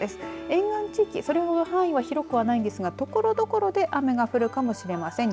沿岸地域それほど範囲は広くないんですがところどころで雨が降るかもしれません。